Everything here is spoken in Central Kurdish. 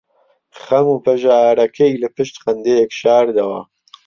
خەم و پەژارەکەی لەپشت خەندەیەک شاردەوە.